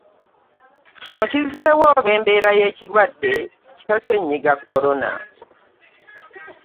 Kino kizzeewo olw'embeera y'ekirwadde kya Ssennyiga Corona.